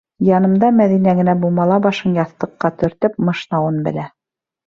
Янымда Мәҙинә генә бумала башын яҫтыҡҡа төртөп, мышнау ын белә.